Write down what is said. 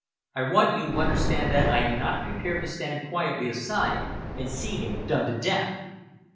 I want you to understand that I am not prepared to stand quietly aside and see him done to death!"